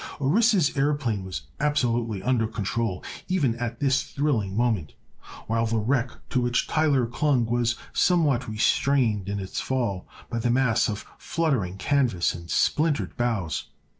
Orissa's aëroplane was absolutely under control, even at this thrilling moment, while the wreck to which Tyler clung was somewhat restrained in its fall by the mass of fluttering canvas and splintered bows.